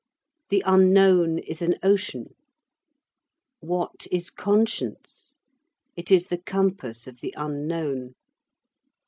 The Unknown is an ocean. What is conscience? It is the compass of the Unknown.